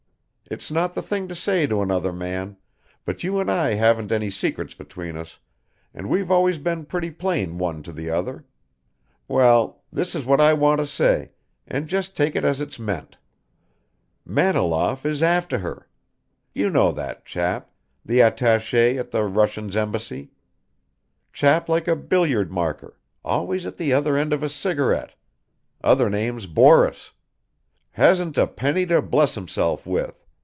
It's not the thing to say to another man, but you and I haven't any secrets between us, and we've always been pretty plain one to the other well, this is what I want to say, and just take it as it's meant. Maniloff is after her. You know that chap, the attaché at the Russian Embassy, chap like a billiard marker, always at the other end of a cigarette other name's Boris. Hasn't a penny to bless himself with.